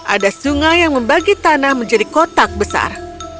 ada sungai yang membagi tanah menjadi kotak besar